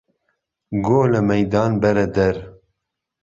گۆ له مهیدان بەره دەر